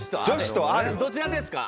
どちらですか？